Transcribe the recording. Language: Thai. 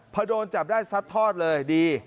พอโดนจับได้ซัดทอดเลยดี